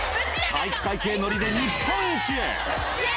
体育会系ノリで、日本一へ。